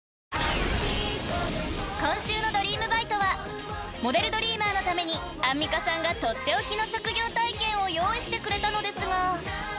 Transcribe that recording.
［今週の『ドリームバイト！』はモデルドリーマーのためにアンミカさんが取って置きの職業体験を用意してくれたのですが］